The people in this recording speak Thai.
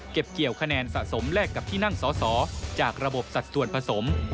เกี่ยวคะแนนสะสมแลกกับที่นั่งสอสอจากระบบสัดส่วนผสม